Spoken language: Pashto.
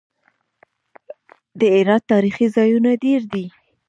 د هرات تاریخي ځایونه ډیر دي